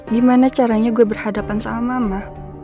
gimana caranya gue berhadapan sama mama